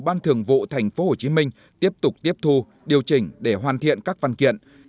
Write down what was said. bộ chính trị yêu cầu ban thường vụ tp hcm tiếp tục tiếp thu điều chỉnh để hoàn thiện các văn kiện